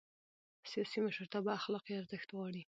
سیاسي مشرتابه اخلاقي ارزښت غواړي